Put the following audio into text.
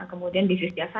kemudian bisnis biasa